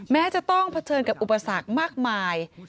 แม้จะต้องเผชิญกับอุปสรรคมากมาย